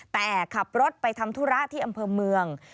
แต่ขับรถไปทำธุระที่อำเภอเมือง